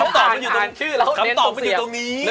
คำตอบมันอยู่ตรงนี้